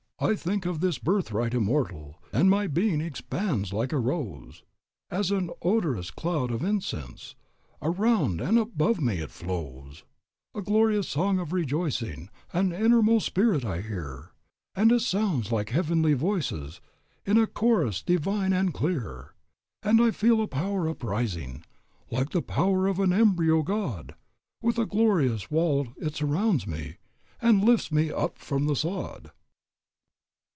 "I think of this birthright immortal, And my being expands like a rose, As an odorous cloud of incense Around and above me flows. "A glorious song of rejoicing In an innermost spirit I hear, And it sounds like heavenly voices, In a chorus divine and clear. "And I feel a power uprising, Like the power of an embryo god; With a glorious wall it surrounds me, And lifts me up from the sod."